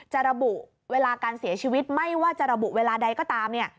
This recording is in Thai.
ระบุเวลาการเสียชีวิตไม่ว่าจะระบุเวลาใดก็ตามเนี่ย